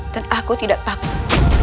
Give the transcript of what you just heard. dan aku tidak takut